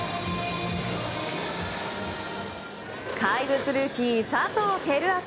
怪物ルーキー、佐藤輝明。